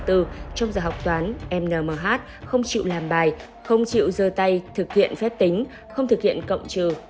trong giờ học toán n m h không chịu làm bài không chịu dơ tay thực hiện phép tính không thực hiện cộng trừ